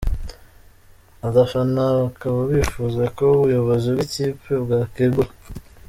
Abafana bakaba bifuza ko ubuyobozi bw’ikipe bwakwegura.